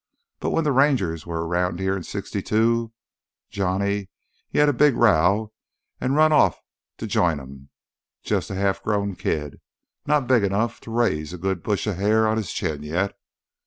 But when th' Rangers was round here in '62 Johnny—he had a big row an' run off to join 'em. Jus' a half growed kid, not big 'nough to raise a good brush o' hair on his chin yet.